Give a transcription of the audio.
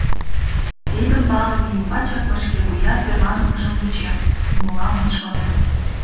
Тидым палыме ӱмбачак мый шке вуя тӧрланымыжым вучем, умыла ман шонем».